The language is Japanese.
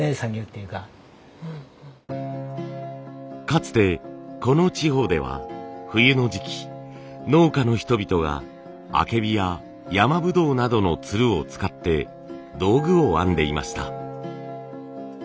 かつてこの地方では冬の時期農家の人々があけびや山ぶどうなどのつるを使って道具を編んでいました。